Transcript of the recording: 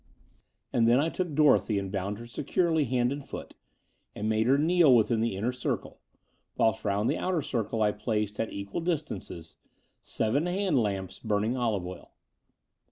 And then I took Dorothy and bound her securely hand and foot, and made her kneel within the inner circle, whilst rotmd the outer circle I placed, at equal distances, seven hand lamps burning olive oil.